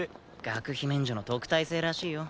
学費免除の特待生らしいよ。